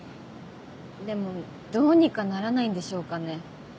でもどうにかならないんでしょうかね。